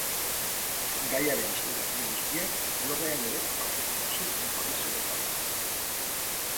Gaiaren xehetasun guztiak, blogean ere topatuko duzu informazio gehiago.